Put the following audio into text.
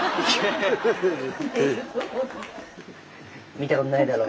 見たことないだろ。